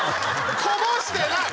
こぼしてない！